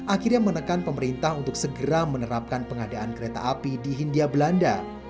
akhirnya menekan pemerintah untuk segera menerapkan pengadaan kereta api di hindia belanda